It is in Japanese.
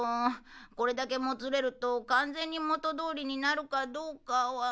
これだけもつれると完全に元どおりになるかどうかは。